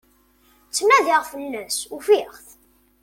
Ttnadiɣ fell-as, ufiɣ-it.